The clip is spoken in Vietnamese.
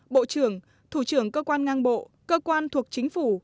bộ trưởng thủ trưởng cơ quan ngang bộ cơ quan thuộc chính phủ